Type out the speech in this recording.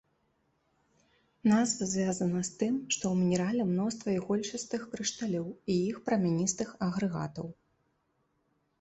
Назва звязана з тым, што ў мінерале мноства ігольчастых крышталёў і іх прамяністых агрэгатаў.